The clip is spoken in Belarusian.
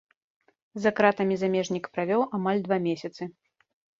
За кратамі замежнік правёў амаль два месяцы.